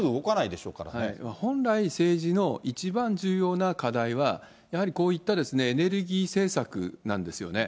本来、政治の一番重要な課題は、やはりこういったエネルギー政策なんですよね。